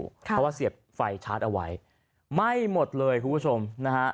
เพราะว่าเสียบไฟชาร์จเอาไว้ไหม้หมดเลยคุณผู้ชมนะฮะ